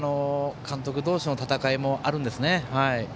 監督同士の戦いもあるんですね。